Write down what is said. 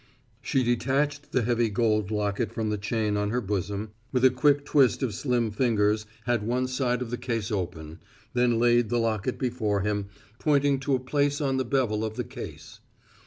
She detached the heavy gold locket from the chain on her bosom, with a quick twist of slim fingers had one side of the case open, then laid the locket before him, pointing to a place on the bevel of the case.